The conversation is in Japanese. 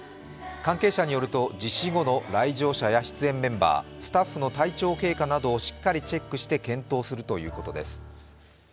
関係者によると、実施後の来場者や出場メンバー、スタッフの体調経過などをしっかりチェックして検討するということです。